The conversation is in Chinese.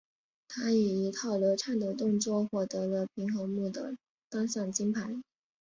她以一套流畅的动作获得了平衡木的单项金牌。